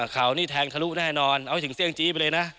เขานี่แทงทะลุแน่นอนเอาให้ถึงเสี่ยงจี้ไปเลยนะ